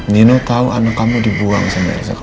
nino tahu anak kamu dibuang sama elsa kemati asuhan